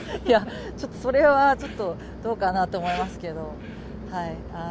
ちょっとそれはちょっと、どうかなと思いますけど。